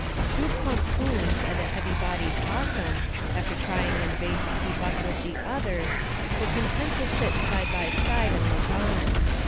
Two plump 'coons and a heavy bodied 'possum, after trying in vain to keep up with the others, were content to sit side by side and look on.